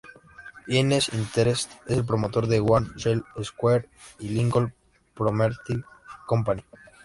Hines Interest es el promotor de One Shell Square y Lincoln Property Company.